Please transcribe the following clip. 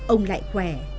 ông lại khỏe